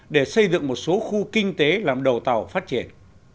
để xây dựng một số khu kinh tế làm đầu tàu phát triển